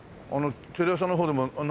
テレ朝の方でもなんか。